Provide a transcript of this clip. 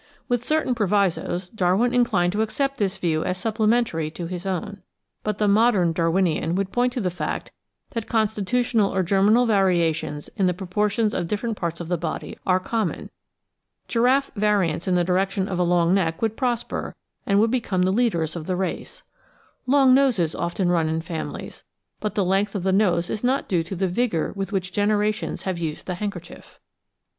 With certain provisos Darwin inclined to accept this view as supplementary to his own. But the modem Darwinian would point to the fact that con stitutional or germinal variations in the proportions of different parts of the body are common. Giraffe variants in the direction of a long neck would prosper, and would become the leaders of the race. Long noses often run in families, but the length of the nose is not due to the vigour with which generations have used the handkerchief.